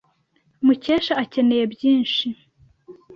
Mukesha akeneye byinshi.